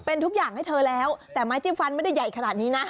เป็นทุกอย่างให้เธอแล้วแต่ไม้จิ้มฟันไม่ได้ใหญ่ขนาดนี้นะ